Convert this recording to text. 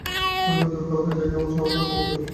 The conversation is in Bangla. আর বিমানমন্ত্রী করা হয়েছে এ কে এম শাহজাহান কামালকে।